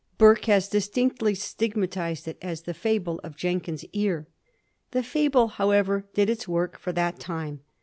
Burke has distinctly stigmatized it as " the fable of Jenkins's ear." The fable, however, did its work for that time.